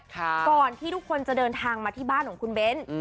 ก่อนที่ทุกคนจะเดินทางมาที่บ้านของคุณเบ้น